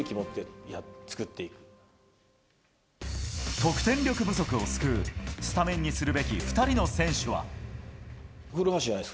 得点力不足を救うスタメンにするべき２人の選手は。